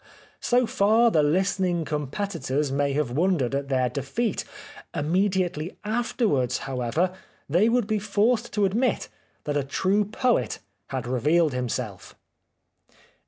So far the listening competitors may have wondered at their defeat. Immediately after wards, however, they would be forced to admit that a true poet had revealed himself.